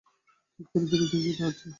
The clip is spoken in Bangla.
কি করি, ধীরে ধীরে যেতে হচ্ছে।